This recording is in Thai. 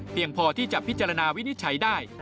พอที่จะพิจารณาวินิจฉัยได้